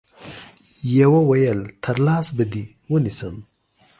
يوه ويل تر لاس به دي ونيسم